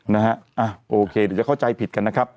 นะฮะอ่ะโอเคเดี๋ยวจะเข้าใจผิดกันนะครับ